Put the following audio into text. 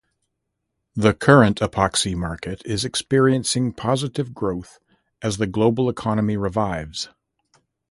The current epoxy market is experiencing positive growth as the global economy revives.